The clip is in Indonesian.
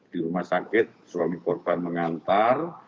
di rumah sakit suami korban mengantar